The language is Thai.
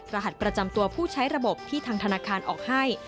รหัสประจำตัวผู้ใช้ระบบที่ทางธนาคารออกให้